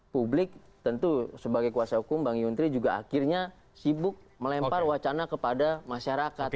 publik tentu sebagai kuasa hukum bang yuntri juga akhirnya sibuk melempar wacana kepada masyarakat